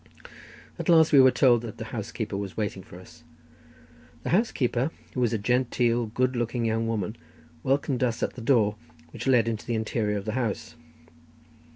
At last we were told that the housekeeper was waiting for us. The housekeeper, who was a genteel, good looking young woman, welcomed us at the door which led into the interior of the house.